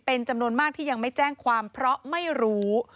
เป็นจำนวนมากที่ยังไม่แจ้งความเพราะไม่รู้